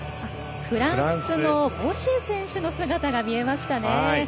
フランスのボシェ選手の姿が見えましたね。